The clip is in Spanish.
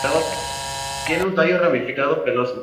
Tiene el tallo ramificado, peloso.